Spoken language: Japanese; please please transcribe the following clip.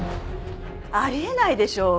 あり得ないでしょ。